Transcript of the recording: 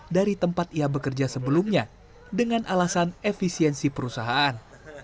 dari tempat ia bekerja sebelumnya dengan alasan efisiensi perusahaan